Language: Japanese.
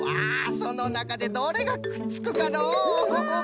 そのなかでどれがくっつくかのう？